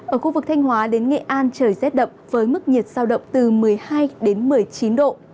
ở khu vực thanh hóa đến nghệ an trời rét đậm với mức nhiệt giao động từ một mươi hai đến một mươi chín độ